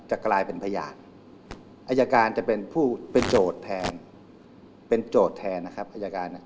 จะกลายเป็นพยานอายการจะเป็นผู้เป็นโจทย์แทนเป็นโจทย์แทนนะครับอายการ